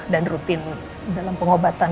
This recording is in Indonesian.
dan rutin dalam pengobatan